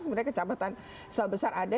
sebenarnya kecamatan sebesar ada